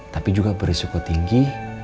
tapi juga berisiko tinggi